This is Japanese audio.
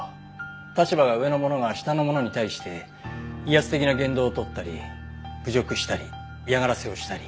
立場が上の者が下の者に対して威圧的な言動をとったり侮辱したり嫌がらせをしたり。